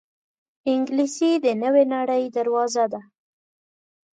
انګلیسي د نوې نړۍ دروازه ده